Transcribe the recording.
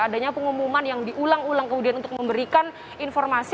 adanya pengumuman yang diulang ulang kemudian untuk memberikan informasi